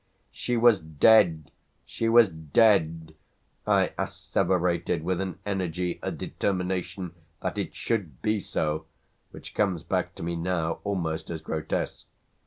"She was dead! she was dead!" I asseverated with an energy, a determination that it should be so, which comes back to me now almost as grotesque.